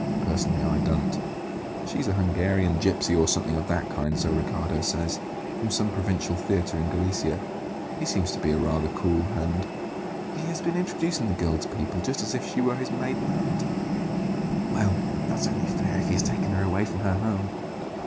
Personally, I don't. She's a Hungarian gipsy, or something of that kind, so Riccardo says; from some provincial theatre in Galicia. He seems to be rather a cool hand; he has been introducing the girl to people just as if she were his maiden aunt." "Well, that's only fair if he has taken her away from her home."